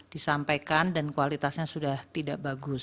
disampaikan dan kualitasnya sudah tidak bagus